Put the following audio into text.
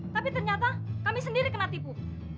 tapi ternyata kami sendiri kena tipu